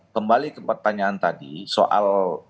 kembali ke pertanyaan tadi soal